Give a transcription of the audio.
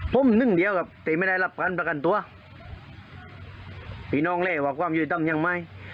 ผมหนึ่งเดียวครับแต่ไม่ได้รับการประกันตัวพี่น้องเล่ว่าความยุติธรรมยังไหม